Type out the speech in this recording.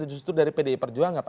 justru dari pdi perjuangan